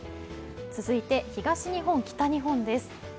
続いて、東日本、北日本です。